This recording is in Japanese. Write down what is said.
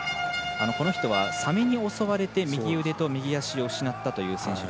この人はサメに襲われて右腕と右足を失った選手。